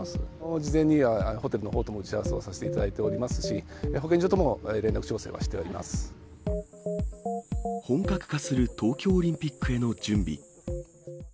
事前にホテルのほうとも打ち合わせをさせていただいておりますし、保健所とも連絡調整はしておりま本格化する東京オリンピックへの準備。